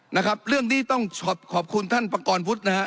นะครับเรื่องนี้ต้องขอขอบคุณท่านประกอบวุฒินะฮะ